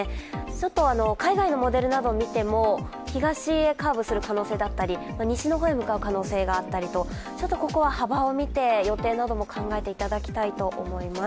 ちょっと海外のモデルなどを見ても、東へカーブする可能性だったり西の方へ向かう可能性があったりとここは幅を見て、予定なども考えていただきたいと思います。